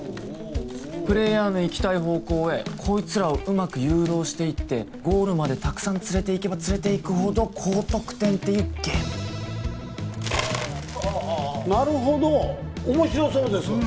プレイヤーの行きたい方向へこいつらをうまく誘導していってゴールまでたくさん連れていけば連れていくほど高得点っていうゲーム・ああっなるほど面白そうです